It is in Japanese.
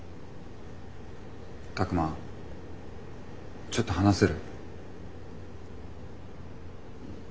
拓真ちょっと話せる？